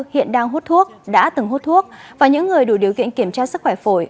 hiện đang hút thuốc đã từng hút thuốc và những người đủ điều kiện kiểm tra sức khỏe phổi